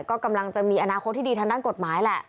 ก็กำลังจะมีอนาคตที่ดีทางด้านกฎหมายแหละ